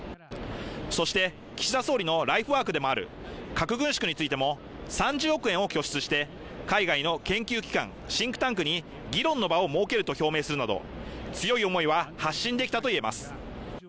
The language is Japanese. そして岸田総理のライフワークでもある核軍縮についても３０億円を拠出して海外の研究機関・シンクタンクに議論の場を設けると表明するなど強い思いは発信できたと言えます